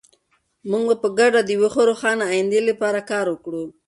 موږ به په ګډه د یوې روښانه ایندې لپاره کار وکړو.